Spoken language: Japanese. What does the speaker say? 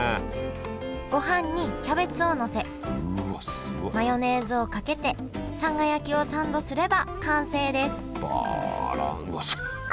ご飯にキャベツをのせマヨネーズをかけてさんが焼きをサンドすれば完成ですわあすごいね。